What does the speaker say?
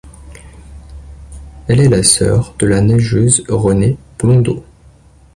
Elle est la sœur de la nageuse Renée Blondeau.